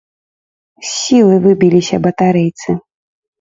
З сілы выбіліся батарэйцы.